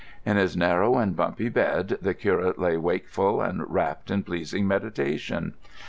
In his narrow and bumpy bed the curate lay wakeful and wrapped in pleasing meditation.